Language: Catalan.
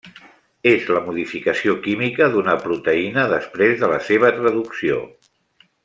És la modificació química d'una proteïna després de la seva traducció.